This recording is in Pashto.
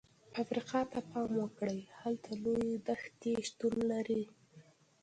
افریقا ته پام وکړئ، هلته لویې دښتې شتون لري.